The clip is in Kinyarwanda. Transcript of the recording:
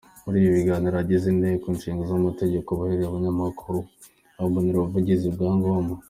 Muri ibyo biganiro, abagize Inteko ishinga amategeko bemereye Abanyamakuru ko bazabakorera ubuvugizi bwa ngombwa.